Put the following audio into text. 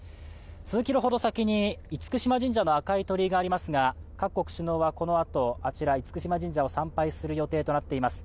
数キロメートルほど先に厳島神社の赤い鳥居が見えますが各国首脳はこのあと、あちら、厳島神社を参拝する予定となっています。